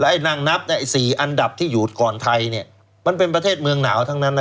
ไอ้นางนับอันดับที่อยู่อุ่นก่อนไทยมันเป็นประเทศเมืองหนาวทั้งนั้นค่ะ